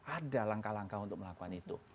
ada langkah langkah untuk melakukan itu